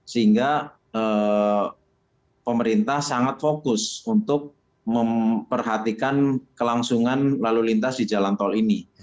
sehingga pemerintah sangat fokus untuk memperhatikan kelangsungan lalu lintas di jalan tol ini